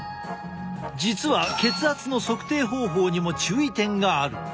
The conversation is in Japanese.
実は血圧の測定方法にも注意点がある。